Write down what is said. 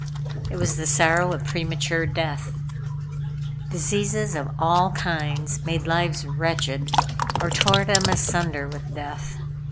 It was the sorrow of premature death. Diseases of all kinds made lives wretched; or tore them asunder with death.